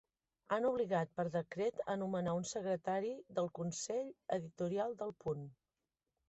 Han obligat per decret anomenar un secretari del Consell editorial d'El Punt.